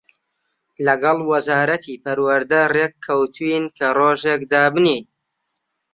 لەگەڵ وەزارەتی پەروەردە ڕێک کەوتووین کە ڕۆژێک دابنێین